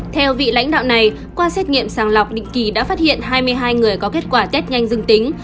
theo vị lãnh đạo này qua xét nghiệm sàng lọc định kỳ đã phát hiện hai mươi hai người có kết quả test nhanh dư tính